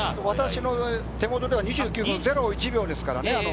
私の手元では２９分０１秒ですからね。